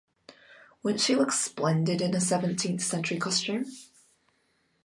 Wouldn't she look splendid in a seventeenth-century costume?